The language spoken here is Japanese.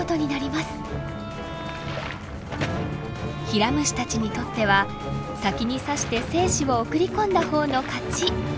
ヒラムシたちにとっては先に刺して精子を送り込んだ方の勝ち。